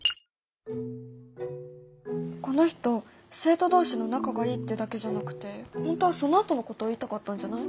この人生徒同士の仲がいいってだけじゃなくて本当はそのあとのことを言いたかったんじゃない？